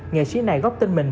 nghệ sĩ này góp tin mình